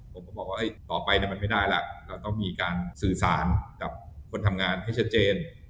ผมก็บอกว่าต่อไปมันไม่ได้แล้วเราต้องมีการสื่อสารกับคนทำงานให้ชัดเจน